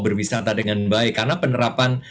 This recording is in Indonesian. berwisata dengan baik karena penerapan